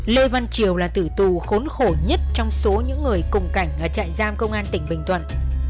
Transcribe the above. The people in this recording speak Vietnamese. lê văn triều là tử tù khốn khổ nhất trong số những người cùng cảnh ở trại giam công an tỉnh bình thuận